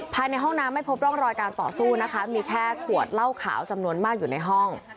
ภายในห้องน้ำไม่พบร่องรอยการต่อสู้นะคะมีแค่ขวดเหล้าขาวจำนวนมากอยู่ในห้อง